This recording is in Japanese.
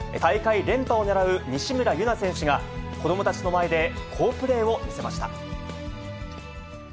大会連覇を狙う西村優菜選手が、子どもたちの前で好プレーを見せました。